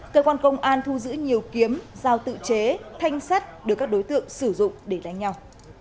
cơ quan công an thu giữ nhiều kiếm giao tự chế thanh sắt được các đối tượng sử dụng để đánh nhau